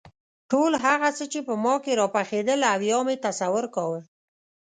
ټول هغه څه چې په ما کې راپخېدل او یا مې تصور کاوه.